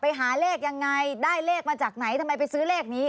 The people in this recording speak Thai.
ไปหาเลขยังไงได้เลขมาจากไหนทำไมไปซื้อเลขนี้